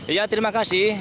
ya terima kasih